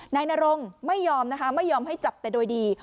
นายนรงไม่ยอมนะคะไม่ยอมให้จับแต่โดยดี